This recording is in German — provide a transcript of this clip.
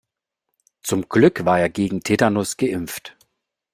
Zum Glück war er gegen Tetanus geimpft.